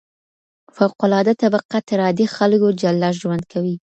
فوق العاده طبقه تر عادي خلګو جلا ژوند کوي.